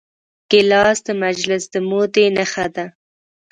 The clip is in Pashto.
ګیلاس د مجلس د مودې نښه ده.